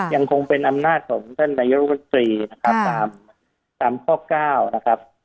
ยังคงเป็นอำนาจของท่านโนโลกทรีย์ตามข้อ๙ครับ